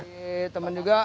dari teman juga